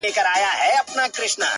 د سلگيو ږغ يې ماته را رسيږي;